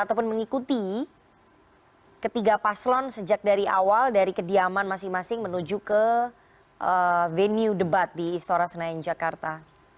ataupun mengikuti ketiga paslon sejak dari awal dari kediaman masing masing menuju ke venue debat di istora senayan jakarta